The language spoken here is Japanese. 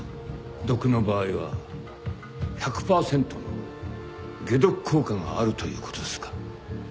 毒の場合は１００％の解毒効果があるということですが。